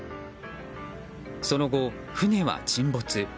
その後、船は沈没。